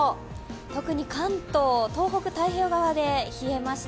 特に関東、東北、太平洋側で冷えました。